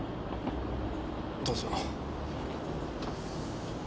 どうぞ。